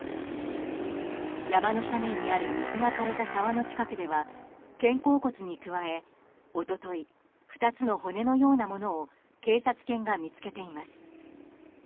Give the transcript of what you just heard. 山の斜面にある水が枯れた沢の近くでは肩甲骨に加え一昨日、２つの骨のようなものを警察犬が見つけています。